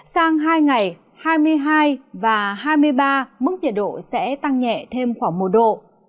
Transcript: sang hai ngày hai mươi hai và hai mươi ba mức nhiệt độ sẽ tăng nhẹ thêm khoảng một độ